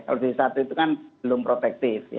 kalau dosis satu itu kan belum protektif ya